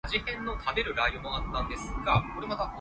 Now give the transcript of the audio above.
西多士